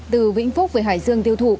từ vĩnh phúc về hải dương tiêu thụ